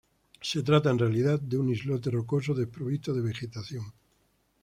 Se trata en realidad de un islote rocoso desprovisto de vegetación.